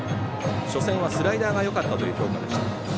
初戦はスライダーがよかったと評価していました。